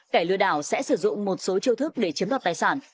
kẻ lừa đảo sẽ sử dụng một số chiêu thức để chiếm đoạt tài sản